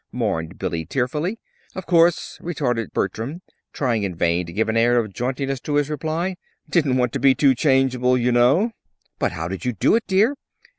mourned Billy, tearfully. "Of course," retorted Bertram, trying in vain to give an air of jauntiness to his reply. "Didn't want to be too changeable, you know!" "But how did you do it, dear?"